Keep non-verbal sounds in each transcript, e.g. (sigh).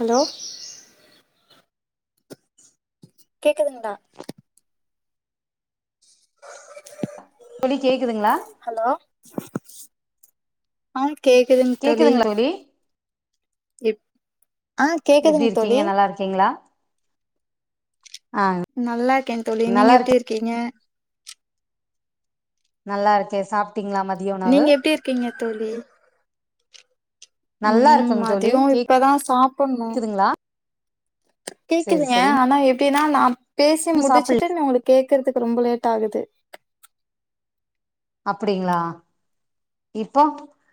Allow கேக்குதுங்தா குல்லி கேக்குதுங்களா ஹலோ ஆங் கேக்குதுங் தொலி கேக்குதுங்களா தோழி எப் ஆஹ் எப்டி கேக்குதுங்தோழி இருக்கீங்க நல்லா இருக்கீங்களா ஆ நல்லா இருக்கேன் தோழி நல்லா நீங்க இருக் எப்படி இருக்கீங்க நல்லா இருக்கே சாப் நீங்க எப்டி இருக்கீங்க தோழி நல்லா உம் இருக்குங் தோழி மதியம் இப்பதான் சாப்புட்ணும் கேக்குதுங்களா செரி கேக்குதுங்க செரி ஆனா எப் தினா நாம் பேசி இன்னு சாப்பிட்ல முடிச்சிட்டு ந உங்களுக்கு கேட்க்குறதுக்கு ரொம்ப லேட் கட் ஆகுது அப்டிங்களா இப் ப்போ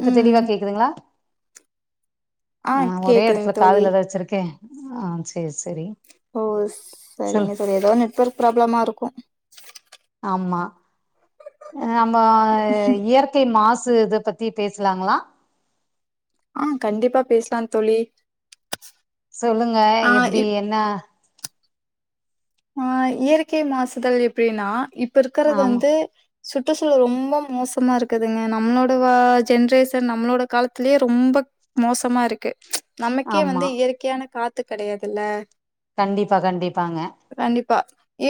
இப்ப தெளிவா ம் கேக்குதுங்களா ஆ ஆஹ் ஒரே கேக்குதுங் இடத்துல தோழி காதுல தான் வச்சிருக்கேன் ஆஹ்ச் ஓ சொல் சரிங்க சரி ஏதோ நெட்வொர்க் ப்ராப்ளமா இருக்கும் ஆமா நம்ம இயற்கை மாசு மாசு இத பத்தி பேசலாங்களா ஆஹ் கண்டிப்பா பேசலாம் தோழி சொல்லுங்க ஆ எப்படி இப் என்ன ஆஹ் இயற்கை மாசுகள் எப்படின்னா இப்ப இருக்கறது ஆமா வந்து சுற்றுச்சூழல் ரொம்ப மோசமா இருக்குதுங்க நம்மளோட வா ஜென்ரேஷன் நம்மளோட காலத்திலயே ரொம்ப மோசமா இருக்கு நமக்கே ஆமா வந்து இயற்கையான காத் த்து கிடையாதுல்ல கண்டிப்பா கண்டிப்பாங்க கண்டிப்பா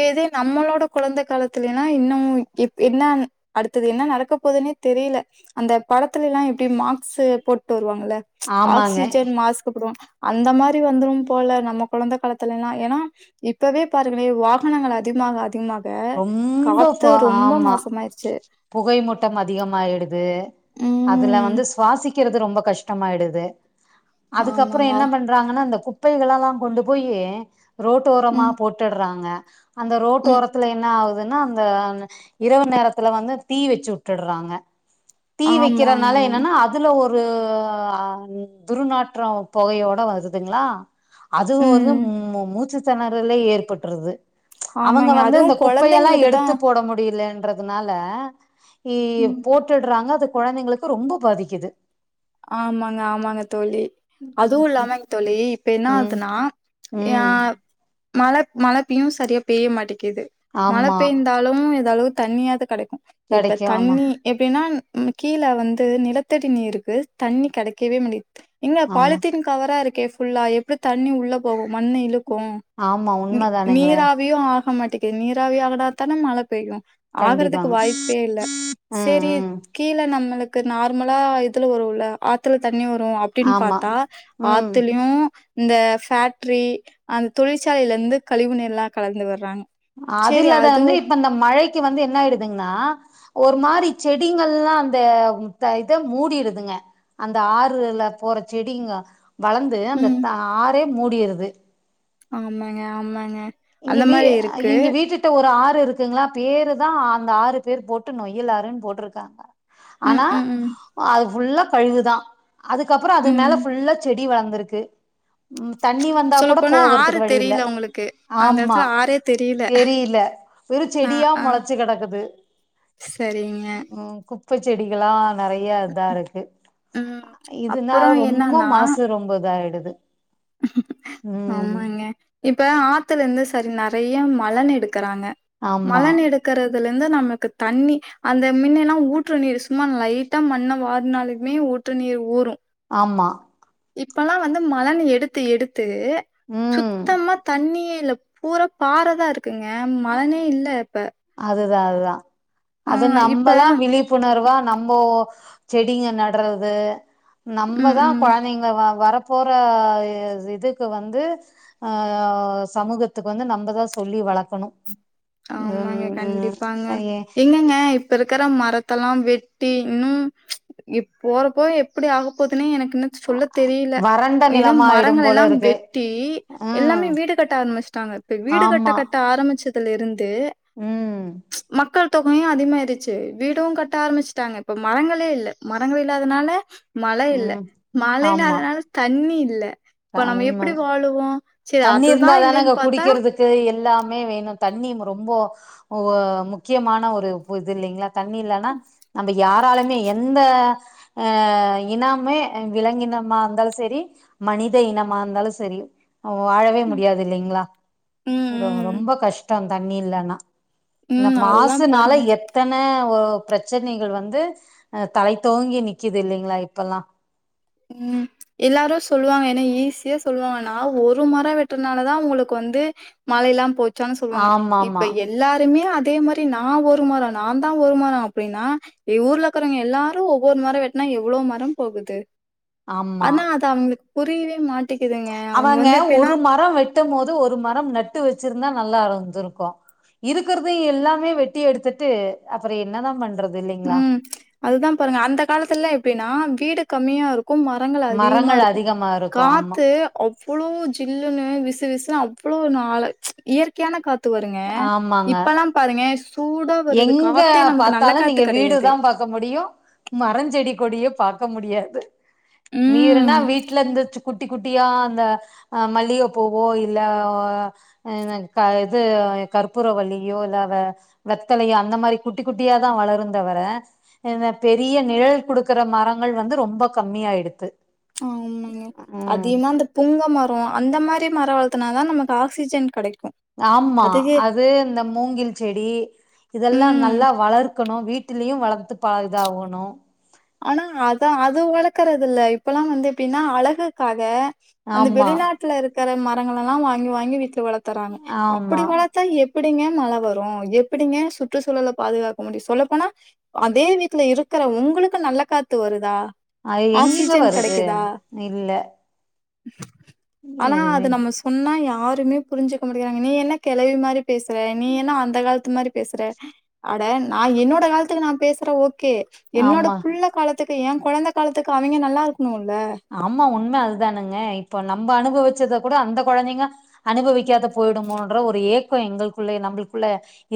ஏதே நம்மளோட குழந்தை காலத்துல எல்லா இன்னு இப் என்ன அடுத்தது என்ன நடக்க போகுதுன்னே தெரியல அந்த படத்துல எல்லா எப்படி மாக்ஸ் போட்டு வருவாங்க போல ஆமாங்க ஆக்சிஜன் மாஸ்க் போடுவாங்க அந்த மாதிரி வந்துரும் போல நம்ம குழந்த காலத்துல எல்லாம் ஏன்னா இப்பவே பாருங்களே வாகனங்கள் அதிகமாக அதிகமாக ரொம்ப காத்து பா ரொம்ப ஆமா மாசமாயிருச்சு புகை மூட்டம் அதிக ஆயிடுது அதுல ம் வந்து சுவாசிக்க க்கிறது ரொம்ப கஷ்டமாயிடுது அதுக்கப்புறம் ஆமாங்க என்ன பண்றாங்கன்னா அந்த கு குப்பைகளெல்லாம் கொண்டு போயு ரோட்டோரமா ம் போட்டுடுறாங்க ஹா அந்த ரோட்டு ம் ஓர என்ன ஆவுதுன்னா அந்த இரவு நேரத்துல வந்து தீ வச்சு விட்டுடுறாங்க தீ ஆமாங்க வைக்கிறதுனால ஆமாங்க என்னன்னா அதுல ஒரு ஒரு துருநாற்றம் பொகையோட வருதுங்களா அது ஒரு ம் ம மூச்சு (inaudible) ணறலே ஏற்பட்ருது ஆமாங்க வந்து அதுவு இந்த குப்பையெல்லா கொழந்தைங்களுக்கு தா எடுத்து போட முடியலன் ன்றதுனால இ ம் போட்டுடறாங்க அது குழந்தைங்களுக்கு ரொம்ப பாதிக்குது ஆமாங்க ஆமாங்க தோழி அதுவு இல்லாமங்க தோழி இப்ப என்ன ம் ஆதுனா ஆ ம் மழை மழை பெயு சரியா பெய்ய மாட்டி க்கிது மழை ஆமா பெய்ந்தாலும் எதளவுக்கு தண்ணியாவது கிடை இப்ப கிடைக்கும் ஆமா தண்ணி எப்டின்னா ம் கீழ வந்து நிலத்தடி நீருக்கு தண்ணி கிடைக்கவே முடி இங்க ஆமா பாலித்தீன் கவரா இரு கே ஃபுல்லா எப்படி தண்ணி உள்ள போகு மண் இழுக் கு ஆமா நீ உண்மைதானுங்களே நீராவியு ஆக மாட் டிக்கு நீராவி ஆனாத்தான மழை பெய்யு ஆகுறதுக்கு கண்டிப்பாங்க வாய்ப்பே இல்ல ம் சேரி ம் கீழ நம்மளுக் கு நார்மலா இதுல வருல்ல ஆத்துல தண் ணி வரு அப்படின்னு ஆமா பாத்தா ம் ஆத்துலயு இந்த ஃபேக்ட்ரி அந்த தொழிற்சாலையிலந்து கழிவு நிரெல்லா கலந்து விடறாங்க அது இல்லாத வந்து இப்ப இந்த மழை க்கு வந்து என்ன ஆயிடுதுங்கன்னா ஒரு மாரி செடிங்கள்ல்லா அந்த இத மூடிடுதுங்க அந்த ஆறுல போற செடிங்க வளர்ந்து அந்த ம் ஆறே மூடியிறது ஆமாங்க ஆமாங்க இங்க அந்த வீ மாரி இருக்கு இங்க வீட்ட்ட ஒரு ஒரு ஆறு இருக்குங்களா பேருதா அந்த ஆறு பேர் போட்டு நொய்யலாருன்னு போட்டிருக்காங்க ம் ஆனா ம் ம் அது ஃபுல்லா கழிவுதா அதுக்கப்புறோ அது மேல ம் ஃபுல்லா செடி செடி வளர்ந்திருக்கு தண்ணி வந்தா கூட சொல்லப்போனா ஆறு போகறதுக்கு வழி இல்ல தெரியல உங்களுக்கு அந்த ஆமா எடத்துல ஆறே தெரியல ஒரு ஆ செடியா ஆ முளைச்சு கிடக்குது சரிங்க உம் குப்பை செடிகலாம் நிறைய இதான் இருக்கு ம் இதுனா அப்பறோ ரொம்ப என்னன்னா மாசு ரொம்பத ஆடுது (inaudible) ஆமாங்க இப்ப ஆத்து பத்துல இருந்து சரி நிறைய மலண் எடுக்கு க்கறாங்க ஆமா மலண் எடுக்கிறது தலந்து நமக்கு தண்ணி அந்த மல்லாம் ஊற்று நீர் சும்மா லைட்டா மண்ணை வாடறுனாலுமே ஊற்று நீர் ஊரும் ஆமா இப்பெல்லாம் வந்து மலண் எடுத்து த்தை எடுத்து து ம் சுத்தமா தண்ணியே இல்ல பூரா பாறைதான் இருக்குங்க மலனே இல்ல இப்ப அதுதான் அதுதான் ஆ அது இப்ப நம்பதான் விழிப்புணர்வா நம்போ செடிங்க நடறது ம் நம்மதா ம் குழந்தைங்களா வர போற இதுக்கு வந்து அஹ் சமூகத்துக்கு வந்து நம்மதான் சொல்லி வளர்க்கணும் ஆமாங்க கண்டிப்பாங்க எங்கங்க இப்ப இருக்க ரும் மரத்தெல்லாம் வெட்டி இன்னும் போறப்போ எப்படி ஆகப்போதுன்னு எனக்கு என்னத்த சொல்ல தெரியல வறண்ட ஏன்னா நிலமா ஆயிடும் மரங்கள் போல எல்லாம் இருக்கு வெட்டி ம் எல்லாமே வீடு கட்ட ஆரம்பிச்சட்டாங்க இப்ப வீடு கட்ட ஆமா கட்ட ஆரம்பிச்சது இருந்து ம் மக்கள் தொகையும் அதிகமாயிடுச்சு வீடும் கட்ட ஆரம்பிச்சுட்டாங்க இப்ப மரங்களே இல்லை மரங்கள் இல்லாதனால மழை இல்ல ம் மழ ஆமா இல்லாதனால தண்ணி இல்ல இப்ப ஆ நம்ம எப்படி உண்மதா வாழுவோம் தண்ணி இருந்தாாதானே இங்க குடிக்கிறதுக்கு எல்லாமே வேணும் தண்ணி ரொம்ப முக்கியமான ஒரு இது இல்லைங்களா தண்ணி இல்லைன்னா நம்ம யாராலுமே எந்த அஹ் இனமே விலங்கினமா இருந்தாலும் சரி மனித இனமா இருந்தாலும் சரி அவ வாழவே முடியாது இல்லிங்ளா ரொ ம் ம் ரொம்ப கஷ் டோ தண்ணி இல்லனா இந்த ம் அதுதா மாசுனால பாருங்க. எத்தன ஓ பிரச்சனைகள் வந்து அ தலை தோங்கி நிக்குது இல்லிங்ளா இப்பல்லா உம் எல்லாரோ சொல்லுவாங்க என ஈஸியா சொல்லுவாங்க நா ஒரு மரம் வெட்டுனாலதா உங்குளுக்கு வந்து மழைலா போ சன சொல்வாங்க ஆமாமா இப்ப எல்லாருமே அ அதே மாரி நா ஒரு மரோ நான்தா ஒரு மரோ அப்டின்னா ஊர்ல இருக்கறவுங்க எல்லாரோ ஒவ்வொரு மரோ வெட்னா எவ்ளோ மரம் போகுது ஆமா அனா அது அவுங்குளுக் புரியவே மாட் அவங்க ஒரு மரொ வெட்டம் போது ஒரு மரம் நட்டு வச் வெச்சுருந்தா நல்லாருந்துருக்கோ இருக்கற்தயு எல்லாமே வெட்டி எடுத்துட்டு அப்பரோ என்னதா பண்றது இல்லைங்களா உம் அதுதா பாருங்க அந்த காலத்துலா எ பினா வீடு கமியா இரு கு மரங்கள் அதீகமா மரங்கள் இருக்கோ அதிகமா இருக்கும் ஆமா காத்து அவ் வுளோ ஜில்லுன்னு விசு விசுன்னு அவ்ளோ நாள ச்ச இயற்கையான காத் த்து வருங்க ஆமாங்க இப்பலா பாருங்க சு எங்க பாத்தாலு நீங்க கெடையாது வீடுதா பாக்க முடியு மரஞ்செடி கொடியு பா க்க முடியாது மீர்னா ம் வீட்ல இந்த சு குட்டி குட்டியா அந்த அ மல்லிகபூவோ இல்ல வ என க இது கற்பூரவள்ளியோ இல்ல அவ வெத்தலய அந்த மாரி குட்டி குட்டியா தா வளருந்தவர இந்த பெரிய நிழல் குடுக்கற மரங்கள் வந்து ரொம்ப கம்மியாயிடுத்து ஆமாங்க ம் அதீமா அந்த புங்க மரொ அந்த மாரி தி மரொ வளதுனாதா நமக்கு ஆக்சிஜன் கெடைக் ஆமா அது இந்த மூங்கில் செடி இதெல்லா ம் நல்லா வளர் கணோ வீட்டுலயு வளத்து பழ இதாவணோ ஆனா அத அது வளக்கறதில்ல இப்பெல்லா வந்து எப்டினா அழகுக்காக அந்த ஆமா வெளிநாட்ல இரு கர மரங்களெல்லா வாங்கி வாங்கி வீட்ல வள தராங்க அப்புடி ஆமா வளத்தா எப் பிடிங்க மழ வரோ எப்பிடிங்க சுற்றுசூழல பாதுகாக்க முடியு சொல்ல போனா அதே வீட்ல இருக்கற உங்குளு கு நல்ல காத்து வருதா அது எங்கிங்க ஆக்சிஜன் வருது கெடைக்குதா இல்ல ஆனா அது எதுமே நம்ம சொன்னா யா ஆருமே புருஞ்சுக்க மாட்டிக்கறாங்க நீ என்ன கெளவி மாரி பேசற நீ என்ன அந்த கால த்து மாரி பேசற அட நா என்னோட காலத்துகு நா பேசறேன் ஓ ஓகே என்னோட ஆமா காலத்துக்கு ஏ கொழந்த காலத்துக்கு அவிங்க நல்லாருக் ஆமா உண்ம அதூதானங்க இப்போ நம் நம் அனுபவிச்சத கூட அந்த கொழந்தைங்க அனுபவிக்காது போய்டுமோன்ற ஒரு ஏக்கம் எங்களுக்குள்ள நம்மளுக்குள்ள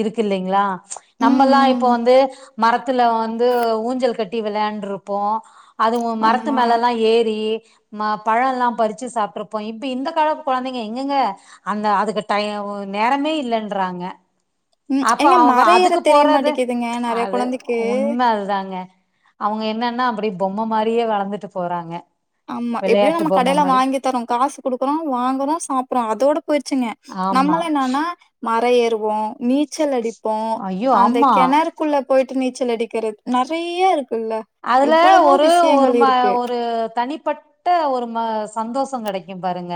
இருக்கு இல்லைங்களா. ம்ச் ம் நம்மல்லாம் இப்போ ம் வந்து. மரத்துல வந்து ஊஞ்சல் கட்டி வெளையாண்டுருப்போம். அதுவும் மரத்து ஆமா மேல எல்லாம் ஏறி. ஏறி பழம் எல்லாம் பறிச்சு சாப்பிட்டு இருப்போம். இப்ப இந்த கால கொழந்தைங்க எங்கங்க அந்த அதுக்கு டைம் நேரமே இல்லைன்றாங்க. ம் அப்போ ஏங்க அவ மர ஏற அதுக்கு தெரிய போறது மாட்டேக்குதுங்க ம்ச் நெறைய அது கொழந்தைக்கு உண்ம அதுதாங்க. அவங்க என்னன்னா அப்படி பொம்ம மாரியே வளந்துட்டு போறாங்க. ஆமா எப்படியும் விளையாட்டு நம்ம பொம்ம கடையில மாரி வாங்கி தரோம் காசு குடுக்குறோம் வாங்குறோம் சாப்பிறோம் அதோட போயிடுச்சுங்க ஆமா நம்மளா என்னன்னா. மரம் ஏறுவோம். நீச்சல் அடிப்போ ஐயோ அந்த ஆமா கெணறுக்குள்ள போய் நீச்சல் அடிக்கிறது நெறியருக் அதுல ஒரு ஒரு மா இருக்கு ஒரு தனி. ப்பட்ட ஒரு ம சந்தோஷம் கெடைக்கும் பாருங்க.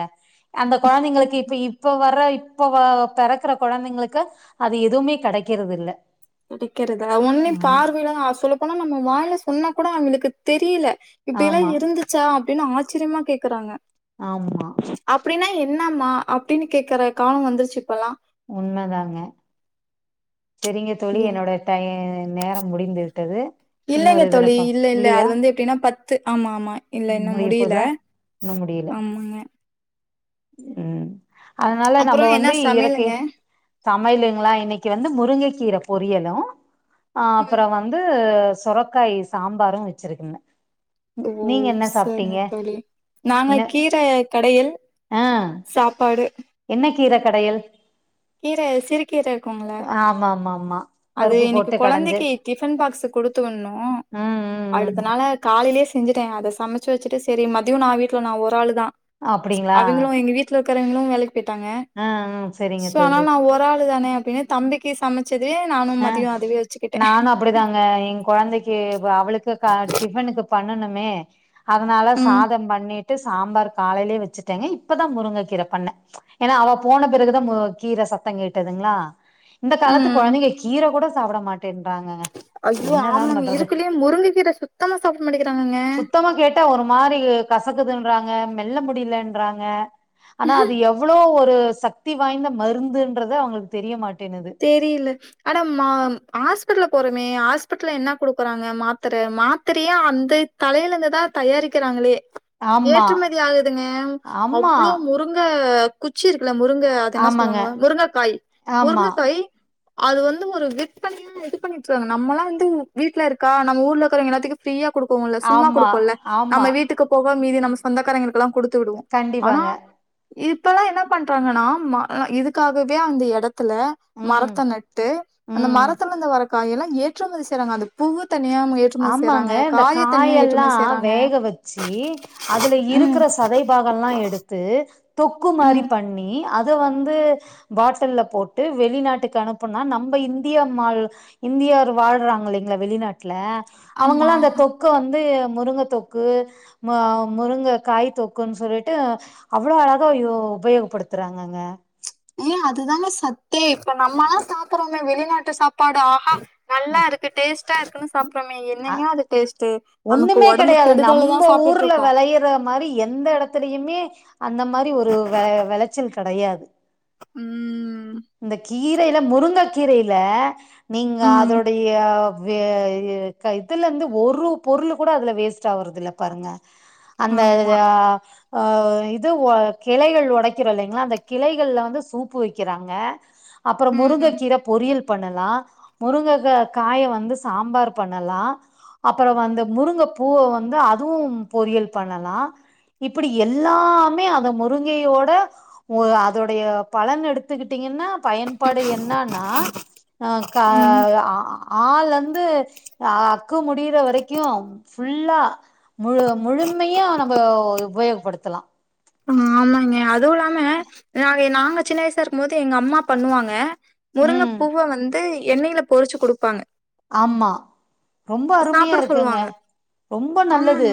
அந்த கொழந்திங்ளுக்கு இப்ப இப்போ வர. இப்ப வ பெறக்குற கொழந்திங்ளுக்கு அது எதுவுமே கெடைக்கிறது இல்ல. கெடைக்கறதா ஒன்னு ம் பார்வில அ சொல்ல போனா நம்ம வாய்ல. சொன்னா கூட அவுங்குளுக்கு தெரியில. இப்டியெல்லா ஆமா இருந்துச்சா. அப்டின் ஆச்சரியமா கேக்குறாங்க. ஆமா. இன்னாமா அப்டின் கேக்குற காலோ வந்துர்ச்சு இப்பல்லா உண்ம தாங்க. செரிங்க தோழி ம் என்னோட டை நேரம் முடிந்து விட்டது. இல்லைங்க இன்னொரு இதுல தோழி பா இல்ல இல்ல இல்லையா அது வந்து எப்டினா பத் து ஆமா ஆமா. இல்ல இன்னு முடிய முடியல போதா ஆமாங்க. உம். அதனால அப்புறோ நம்ம என்ன வந்து இயற்கை சமையலுங்க சமையலுங்களா இன்னைக்கு வந்து முருங்கை கீரை போரி. பொரியலும். அ ம் அப்புறம் வந்து. சுரக்காய் சாம்பாரும் வச்சிருக்கங்க. ஓ சரிங்க தோழி நாங்க என்ன கீரை கடையல் ஆ சாப்பாடு. என்ன கீரை கடையல். கீரை சிறு கீரை இருக்குங்களா ஆமா ஆமா ஆமா அது பருப்பு இன்னைக்கு போட்டு கடஞ்சு குழந்தைக்கு டிஃபன் பாக்ஸ் கொடுத்து விணும் ம் ம் ம் அடுத்தனால காலையிலயே செஞ்சுட்டேன் அதை சமைச்சு வச்சுிட்டு சரி மதியம் நான் வீட்டில் நான் ஒரு ஆள் தான் அப்படிங்களா கரங்களும் வ போிட்டாங்க சரிங்க சோ தோழி ஆனால் நான் ஒரு ஆள் தானே அப்படின்னு தம்பிக்கு சமைச்சதுி அஹ் நானும் அப்படிதாங்க என் குழந்தைக்கு அவளுக்கு டிஃபனுக்கு பண்ணும் அதனால ம் சாதம் பண்ணிட்டு சாம்பார் காலையிலயே வச்சுட்டேங்க இப்பதான் முருங்கை கீரை பண்ணேன் ஏன்னா அவள் போன பிறகுதான் மு கீரை சத்தம் கட்டதுங்களா இந்த காலத்து ம் கொழனங்க கீர கூட ஆப்பட மாட்ட ங்க ஐயோ என்னதான் ஆமாங்க பண்றது இருக்குலயே முருங்கக்கீர சுத்தமா சாப்ட மாட்டேங்கிறாங்கங்க சுத்தமா கேட்ட ஒரு மாதிரி கசக்குதுன்னு ங்க மெல்ல முடியலன்றாங்க ஆனா அது எவ்வளோ சக்தி வாய்ந்த மருந்துன்றத அவங்களுக்கு தெரிய மாட்டேன் தெரியல ஆடா ஹாஸ்பிடல்ல போறமே ஹாஸ்பிடல் என்ன குடுக்குறாங்க மாத்திர மாத்திரையா அந்த தலையில இருந்துதான் தயாரிக்கிறாங்களே ஆமா ஏற்றுமதி ஆகுதுங்க ஆமா அவ்வளவு முருங்க ச்சி இருக்குல முருங்கை அது என்ன ஆமாங்க சொல்லுவாங்க முருங்கக்காய் ஆமா முருங்க அது வந்து ஒரு விற்பண்ணைய இது பண்ணிட்டு இருக்காங்க நம்மல்லாம் வந்து வீடல இருக்கா நம்ம ஊர்ல இருக்கறவங்க எல்லாத்துக்கும் ஃப்ரீயா கொடுக்கோம் சும்மா ஆமா கொடுக்கும்ல ஆமா நம்ம வீட்டுக்கு போக மதி நம்ம சொந்தக்காரங்க இருக்கலாம் குடுத்து விடுவோம் ஆனா கண்டிப்பாங்க இப்பல்லாம் என்ன பண்றாங்கன்னா இதுக்காகவே அந்த இடத்துல ம் மரத்தை நட்டு அந்த ம் மரத்துலந்த வர காய எல்லாம் ஏற்றுமதி செய்றாங்க அந்த பூ ஆமாங்க இந்த ஏற்றுமதி காயெல்லாம் செய்றாங்க வேக வச்சு அதுல ம் இருக்கற சதைபாகம் எல்லாம் எடுத்து தொக்கு மாதிரி ம் பண்ணி அதை வந்து பாட்டில் போட்டு வெளிநாட்டுக்கு அனுப்பணும்னா நம்ம இந்தியாழ் இந்தியா வாழ்றாங்க இலைங்களா வெளிநாட்டுல ஆமா அவங்காம் அந்த தொக்கை வந்து முருங்கை தொக்கு முருங்கை காய் தொக்குன்னு சொல்லிட்டு அவ்வளோ அழகாயோ உபயோகப்படுத்துறாங்கங்க ஏ அதுதானே சத்தே இப்ப நம்ம எல்லாம் சாப்பிடுறோமே வெளிநாட்டு சாப்பாடு ஆகா நல்லாருக்கு டேஸ்ட்டா இருக்குன்னு ப்றமே அ என்னங்கய அது டேஸ்டு ஒண்ணுமே கெடையாது நம்ம ஊர்ல இருக்கோ விளையிற மாரி எந்த இடத்துலயுமே அந்த மாரி ஒரு வ வெளைச்சல் கெடையாது ம் ந்த கீர் ரையில முருங்கக் கீரையில நீங்க ம் அதோடைய வே இ க த்துல ருந்து ஒரு பொருளு கூட அதுல வேஸ்ட்டா ஆவுறது இல்ல பாருங்க அந்த ஆமா அ ஆ இது உ கிளைகள் உடைக்கிறோல்லங்களயா அந்த கிளைகள்ல வந்து சூப்பு வைக்கிறா ங்க அப்றோ ம் முருங்கைக்கீர பொரியல் பண்ணலா முருங்ககா காய வந்து சாம்பார் பண்ணலா அப்புறோ வந்த முருங்கை பூவ வந்து அதுவும் பொரியல் பண்ணலா இப்டி எல்லாமே அந்த முருங்கையோட அதோடைய பலன் எடுத் ட்டீங்க என்ன பயன்பாடு என்னன்னா ஹ க ம் அ அ ளருந்து அக்கு முடிற வரக்கு ஃபுல்லா முழு முழுமையா நம்ம உபயோகப்படுத்தலா ம் ஆமாங்கே அதுவுல்லாம நாங்க நாங்க சின்ன வயசாருக்கும் போது எங்க அம்மா பண்ணுவாங்க ம் முருங்கைப்பூவ வந்து எண்ணயில பொறுச்சு குடுப்பாங்க ஆமா ரொம்ப அருமையா சாப்பிட இருக்கங்க சொல்லுவாங்க. ரொம்ப நல்லது ஆமாங்க.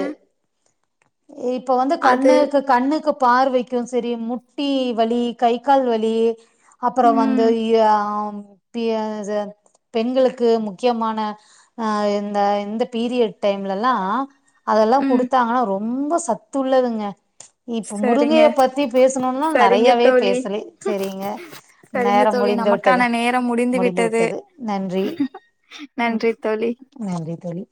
இப்போ வந்து அது கண்ணுக்கு கண்ணுக்கு பார் வைக்கு சரி முட்டி வலி கை கால் வலி அப்புறோ வந்து ம், இய பெண்களுக்கு முக்கியமான அய்ந்த இந்த பீரியட் டைம்லல்லா அதல்லா ம். புடுத்தாங்கன்னா ரொம் ரொம்ப சத்து உள்ளதுங்க இப்ப சரிங்க. முருங்கைய பத்தி பேசணும்னா சரிங்க நிறையாவே தோழி. பேசலை சேரிங்க சரிங்க நேரம் தோழி. முடிந்து விட்டது நமக்கான நேரம் முடிந்து விட்டது நன்றி உ நன்றி தோழி. நன்றி தோழி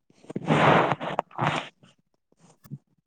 (inaudible)